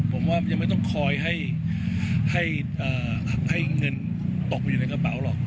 ผมว่ามันยังไม่ต้องคอยให้เงินตกอยู่ในกระเป๋าหรอก